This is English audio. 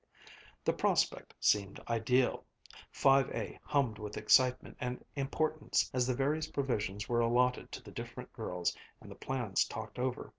The prospect seemed ideal. Five A hummed with excitement and importance as the various provisions were allotted to the different girls and the plans talked over.